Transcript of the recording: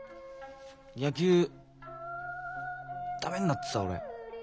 野球ダメになったさ俺。